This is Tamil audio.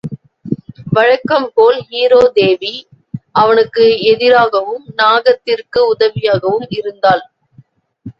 வழக்கம் போல் ஹீரா தேவி, அவனுக்கு எதிராகவும், நாகத்திற்கு உதவியாகவும் இருந்தாள்.